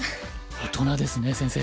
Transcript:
大人ですね先生。